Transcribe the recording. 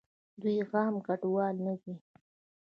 دوئ عام کډوال نه دي.